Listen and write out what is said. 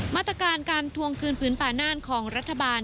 มาตรการการทวงคืนพื้นป่าน่านของรัฐบาล